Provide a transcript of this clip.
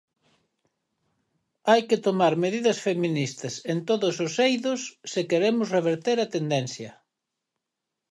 Hai que tomar medidas feministas en todos os eidos se queremos reverter a tendencia.